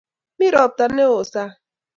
Mi ropta ne oo sang'